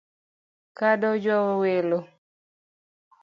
Kado onjwawo welo